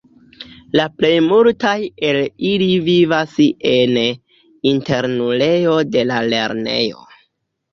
La plej multaj el ili vivas en internulejo de la lernejo.